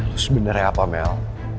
lo sebenernya apa mel